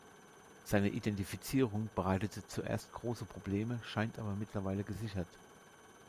Seine Identifizierung bereitete zuerst große Probleme, scheint aber mittlerweile gesichert.